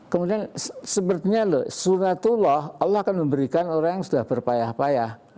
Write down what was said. kemudian sepertinya loh sunatullah allah akan memberikan orang yang sudah berpayah payah